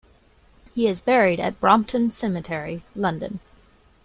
He is buried at Brompton Cemetery, London.